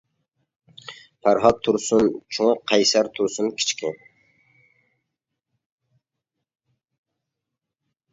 پەرھات تۇرسۇن چوڭى، قەيسەر تۇرسۇن كىچىكى.